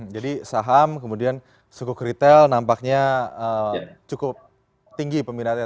jadi saham kemudian suku kriktil nampaknya cukup tinggi peminatnya